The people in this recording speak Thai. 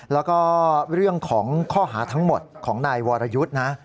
แล้วก็เรื่องของข้อหาทั้งหมดของนายวรยุทธ์นะ